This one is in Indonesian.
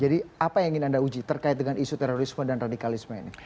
jadi apa yang ingin anda uji terkait dengan isu terorisme dan radikalisme ini